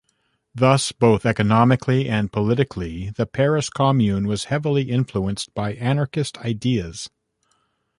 Thus both economically and politically the Paris Commune was heavily influenced by anarchist ideas.